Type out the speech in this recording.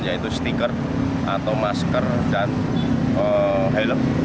yaitu stiker atau masker dan helm